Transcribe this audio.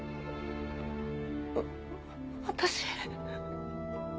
私。